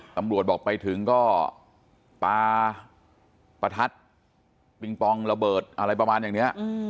ตำรวจบอกไปถึงก็ปลาประทัดปิงปองระเบิดอะไรประมาณอย่างนี้